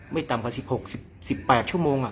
ต่ำกว่า๑๖๑๘ชั่วโมง